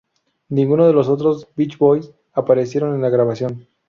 Ninguno de los otros "beach boys" aparecieron en la grabación.